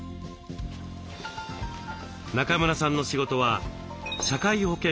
中村さんの仕事は社会保険労務士。